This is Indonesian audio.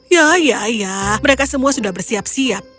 ya ya mereka semua sudah bersiap siap